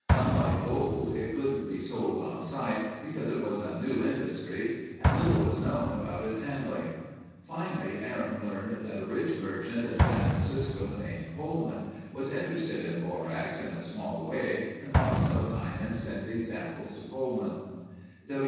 Unlike gold, it couldn't be sold on sight, because it was a new industry, and little was known about its handling. Finally Aaron learned that a rich merchant in San Francisco, named Coleman was interested in borax in a small way and lost no time in sending samples to Coleman.